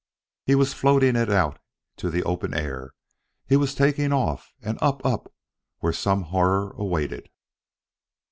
He was floating it out to the open air; he was taking off, and up up where some horror awaited.